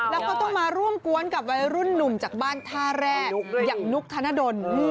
แล้วก็ต้องมาร่วมกวนกับวัยรุ่นหนุ่มจากบ้านท่าแรกอย่างนุกธนดล